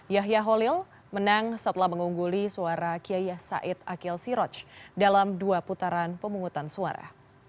yahya holil menang setelah mengungguli suara kiai said akil siroj dalam dua putaran pemungutan suara